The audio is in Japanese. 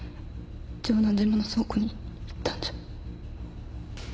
城南島の倉庫に行ったんじゃ。